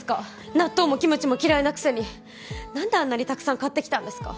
納豆もキムチも嫌いなくせに何であんなにたくさん買ってきたんですか